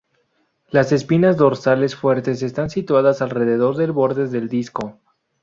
Las espinas dorsales fuertes están situadas alrededor del borde del disco.